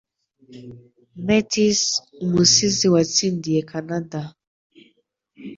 Metis Umusizi watsindiye Kanada